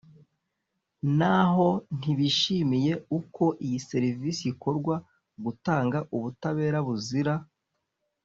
naho ntibishimiye uko iyi serivisi ikorwa gutanga ubutabera buzira